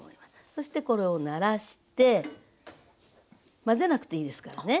そしてこれをならして混ぜなくていいですからね。